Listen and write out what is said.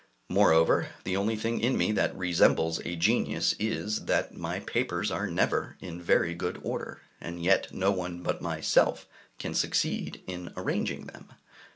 Moreover, the only thing in me that resembles a genius is, that my papers are never in very good order, and yet no one but myself can succeed in arranging them.